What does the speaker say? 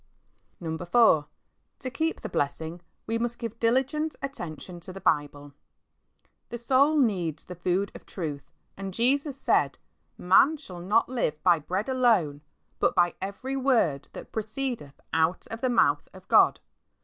IV. To keep the blessing,, ive must give diligent attention to the Bible, The soul needs the food of truth, and Jesus said, " Man shall not live by bread alone, but by every word that proceedeth out of the mouth of God."